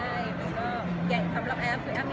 แต่คุณจะชอบไหมคะขอย้าม